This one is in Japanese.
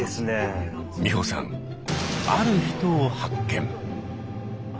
美穂さんある人を発見！